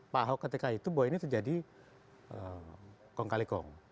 pak ahok ketika itu bahwa ini terjadi kong kali kong